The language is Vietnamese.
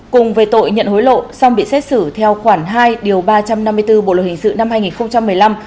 cùng về tội nhận hối lộ xong bị xét xử theo khoảng hai điều ba trăm năm mươi bốn bộ lực hình sự năm hai nghìn một mươi năm